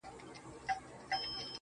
بيا دادی پخلا سوه ،چي ستا سومه~